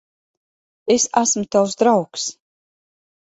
Es esmu tavs draugs.